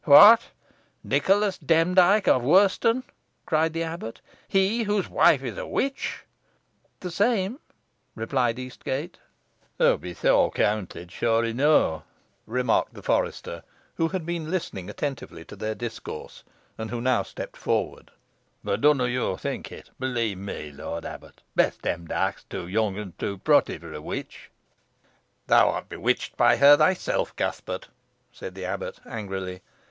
"What, Nicholas Demdike of Worston?" cried the abbot; "he whose wife is a witch?" "The same," replied Eastgate. "Hoo be so ceawnted, sure eno," remarked the forester, who had been listening attentively to their discourse, and who now stepped forward; "boh dunna yo think it. Beleemy, lort abbut, Bess Demdike's too yunk an too protty for a witch." "Thou art bewitched by her thyself, Cuthbert," said the abbot, angrily.